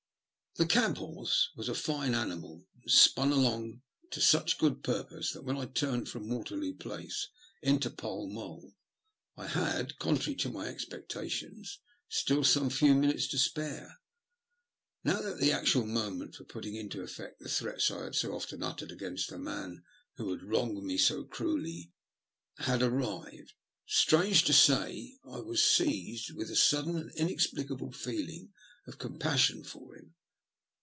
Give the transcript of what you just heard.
THE cab horse was a fine animal, and span along to such good purpose that when I turned from Waterloo Place into Pall Mall I had, contrary to my expectations, still some few minutes to spare. Now that the actual moment for putting into effect the threats I had so often uttered against the man who had wronged me so cruelly, had arrived, strange to say I was seized with a sudden and inexplicable feeling of compassion for him.